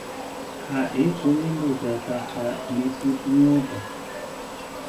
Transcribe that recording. Ha'e oñembojáta ha nepytyvõta.